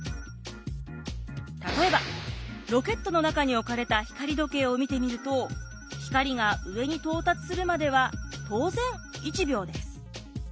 例えばロケットの中に置かれた光時計を見てみると光が上に到達するまでは当然１秒です。